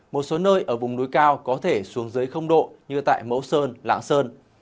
một số nơi ở vùng núi cao có thể xuống dưới độ như tại mẫu sơn lạng sơn